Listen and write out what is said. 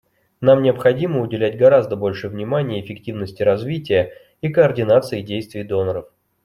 Нам необходимо уделять гораздо больше внимания эффективности развития и координации действий доноров.